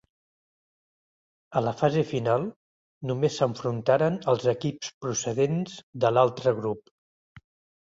A la fase final només s'enfrontaren els equips procedents de l'altre grup.